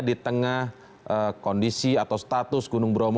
di tengah kondisi atau status gunung bromo